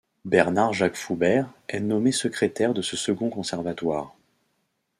Bernard-Jacques Foubert est nommé secrétaire de ce second Conservatoire.